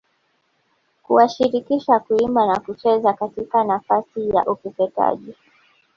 kuwashirikisha kuimba na kucheza katika nafasi ya ukeketaji